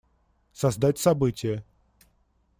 Создать событие.